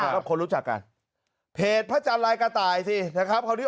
คนรู้จักกันเพจพระจันทร์ลายกระต่ายสินะครับคราวนี้